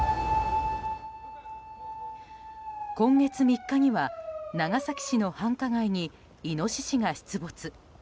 今月３日には長崎市の繁華街にイノシシが出没。